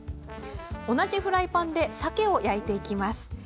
同じフライパンで鮭を焼いていきます。